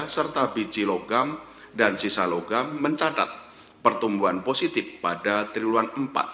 serta biji logam dan sisa logam mencatat pertumbuhan positif pada triluan empat dua ribu sembilan belas